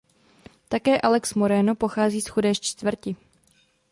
Také Alex Moreno pochází z chudé čtvrti.